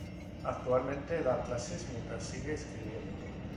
Actualmente da clases mientras sigue escribiendo.